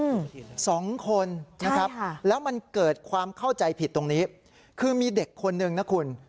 อืมสองคนนะครับค่ะแล้วมันเกิดความเข้าใจผิดตรงนี้คือมีเด็กคนหนึ่งนะคุณ